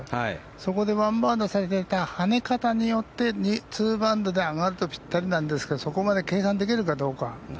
そこでワンバウンドさせた跳ね方によってツーバウンドで上がるとピッタリなんですけどそこが計算できるかどうか。